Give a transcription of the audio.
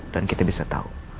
dan kita bisa tau